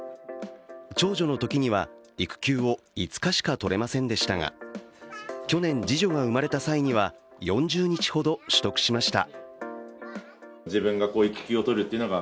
長女のときには育休を５日しか取れませんでしたが、去年、次女が産まれた際には４０日ほど取得しました。